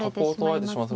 そうですね。